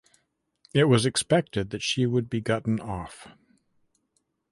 It was expected that she would be gotten off.